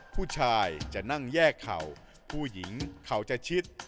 ผู้ชายจะนั่งแยกเข่าผู้หญิงเข่าจะชิด